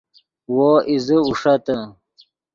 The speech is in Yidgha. وو ایزے اوݰتے